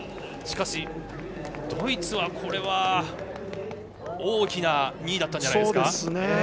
しかし、ドイツは大きな２位だったんじゃないですか。